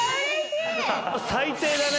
最低だね。